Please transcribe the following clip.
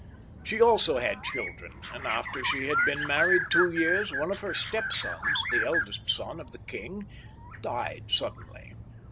She also had^ children ; and after she had been married two years one of her stepsons, the eldest son of the king, died suddenly.